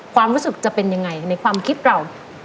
ความรู้สึกจะเป็นยังไงในความคิดเรา